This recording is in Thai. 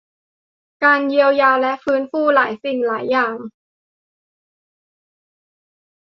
การเยียวยาและการฟื้นฟูหลายสิ่งหลายอย่าง